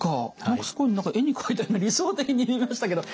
ものすごい絵に描いたような理想的に見えましたけど。